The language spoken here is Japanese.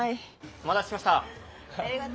お待たせしました。